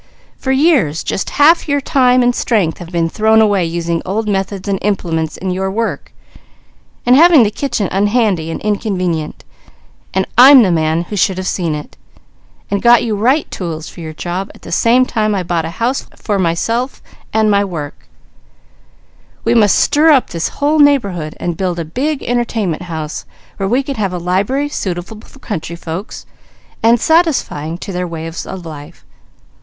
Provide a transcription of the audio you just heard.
For years, just _half your time and strength has been thrown away using old methods and implements in your work, and having the kitchen unhandy and inconvenient; and I'm the man who should have seen it, and got you right tools for your job at the same time I bought a houseful for myself and my work_. We must stir up this whole neighbourhood, and build a big entertainment house, where we can have a library suitable for country folks, and satisfying to their ways of life.